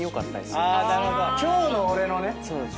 今日の俺のね。